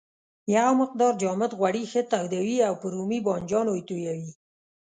یو مقدار جامد غوړي ښه تودوي او پر رومي بانجانو یې تویوي.